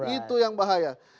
itu yang bahaya